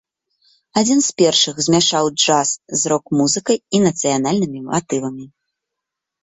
Адзін з першых змяшаў джаз з рок-музыкай і нацыянальнымі матывамі.